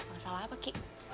masalah apa ki